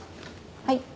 はい。